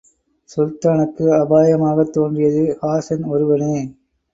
சுல்தானுக்கு அபாயமாகத் தோன்றியது ஹாஸான் ஒருவனே!